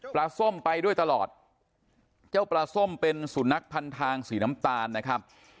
ส้มไปด้วยตลอดเจ้าปลาส้มเป็นสุนัขพันทางสีน้ำตาลนะครับ